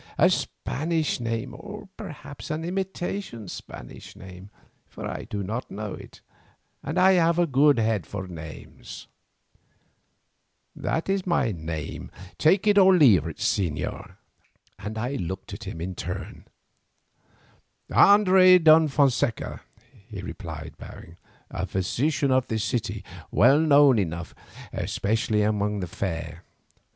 "A Spanish name, or perhaps an imitation Spanish name, for I do not know it, and I have a good head for names." "That is my name, to take or to leave, señor?"—And I looked at him in turn. "Andres de Fonseca," he replied bowing, "a physician of this city, well known enough, especially among the fair.